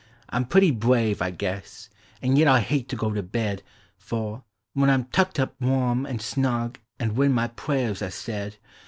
1 'in pretty brave, I guess; an' yet I hate to go to bed, For, when I 'm tucked up warm an' snug an' when my prayers are said.